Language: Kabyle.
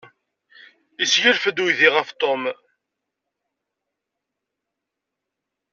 Yesseglef-d uydi ɣef Tom.